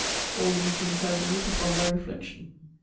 All these things I leave upon thy reflection.